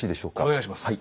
お願いします。